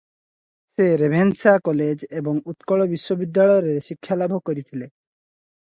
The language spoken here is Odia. ସେ ରେଭେନ୍ସା କଲେଜ ଏବଂ ଉତ୍କଳ ବିଶ୍ୱବିଦ୍ୟାଳୟରେ ଶିକ୍ଷାଲାଭ କରିଥିଲେ ।